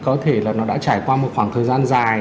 có thể là nó đã trải qua một khoảng thời gian dài